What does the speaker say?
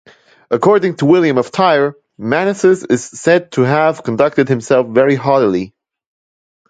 According to William of Tyre, Manasses is said to have conducted himself very haughtily.